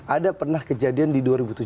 ada pernah kejadian di dua ribu tujuh belas